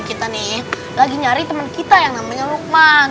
kita nih lagi nyari teman kita yang namanya lukman